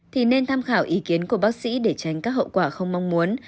thì nên tham khảo ý kiến của bác sĩ để tránh các hậu quả không mong muốn